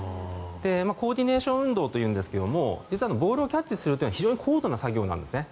コーディネーション運動というんですが実はボールをキャッチするって非常に高度な作業なんですね。